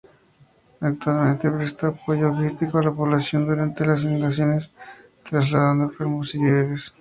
Actualmente presta apoyo logístico a la población durante las inundaciones trasladando enfermos y víveres.